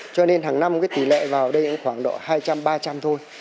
cho nên hàng năm cái tỷ lệ vào đây khoảng độ hai trăm linh ba trăm linh thôi